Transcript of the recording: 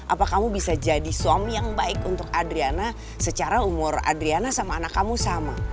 apa kamu bisa jadi suami yang baik untuk adriana secara umur adriana sama anak kamu sama